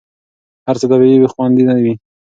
هر څه طبیعي وي، خوندي نه وي.